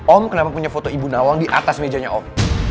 om kenapa punya foto ibu nawang di atas mejanya om